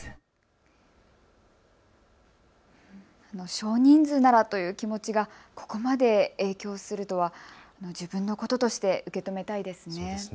少人数ならという気持ちがここまで影響するとは、自分のこととして受け止めたいですね。